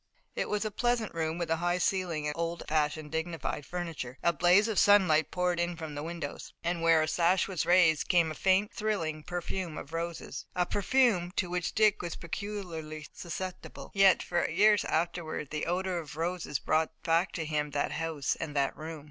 It was a pleasant room with a high ceiling, and old fashioned, dignified furniture. A blaze of sunlight poured in from the windows, and, where a sash was raised, came the faint, thrilling perfume of roses, a perfume to which Dick was peculiarly susceptible. Yet, for years afterward, the odor of roses brought back to him that house and that room.